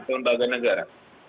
di lembaga negara